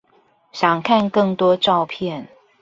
想看更多照片